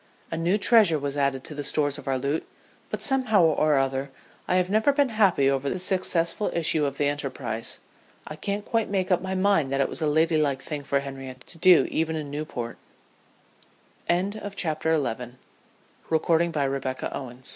A new treasure was added to the stores of our loot, but somehow or other I have never been happy over the successful issue of the enterprise. I can't quite make up my mind that it was a lady like thing for Henriette to do even in Newp